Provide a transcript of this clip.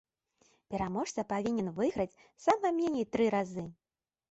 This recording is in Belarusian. Пераможца павінен выйграць сама меней тры разы.